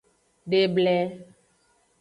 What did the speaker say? Deble.